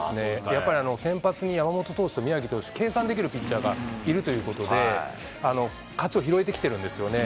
やっぱり先発に山本投手と宮城投手、計算できるピッチャーがいるということで、勝ちを拾えてきているんですよね。